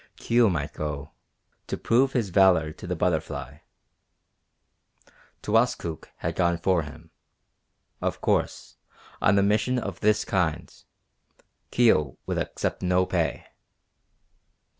Kio might go, to prove his valour to the Butterfly. Towaskook had gone for him. Of course, on a mission of this kind, Kio would accept no pay.